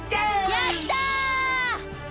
やった！